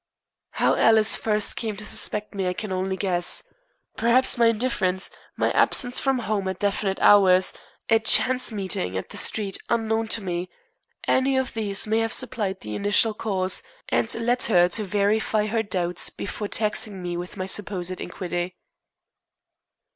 How Alice first came to suspect me I can only guess. Perhaps my indifference, my absence from home at definite hours, a chance meeting in the street unknown to me any of these may have supplied the initial cause, and led her to verify her doubts before taxing me with my supposed iniquity.